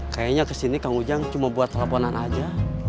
kayaknya kesini kang ujang cuma buat teleponan aja